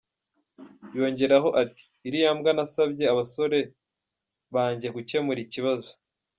Yongeraho ati “Iriya mbwa nasabye abasore banjye gukemura ikibazo.”